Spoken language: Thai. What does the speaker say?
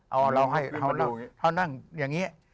เอาเราให้เขานั่งอย่างนี้